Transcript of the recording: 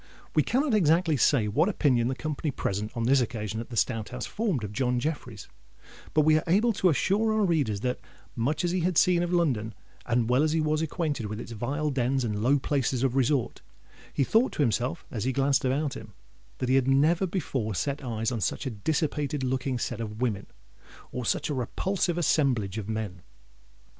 We cannot exactly say what opinion the company present on this occasion at the Stout House formed of John Jeffreys; but we are able to assure our readers that, much as he had seen of London, and well as he was acquainted with its vile dens and low places of resort, he thought to himself, as he glanced about him, that he had never before set eyes on such a dissipated looking set of women or such a repulsive assemblage of men.